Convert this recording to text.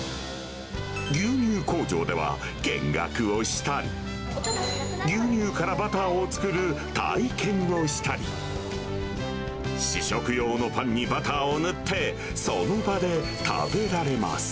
牛乳工場では見学をしたり、牛乳からバターを作る体験をしたり、試食用のパンにバターを塗って、その場で食べられます。